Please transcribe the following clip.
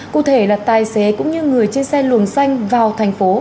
cụ thể là tài xế cũng như người trên xe luồng xanh vào thành phố